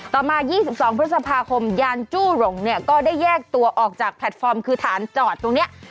ต่อมา๒๒พฤษภาคมยานจู้หลงเนี่ยก็ได้แยกตัวออกจากแพลตฟอร์มคือฐานจอดตรงนี้